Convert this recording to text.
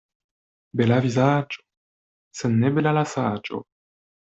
Bela vizaĝo, sed ne bela la saĝo.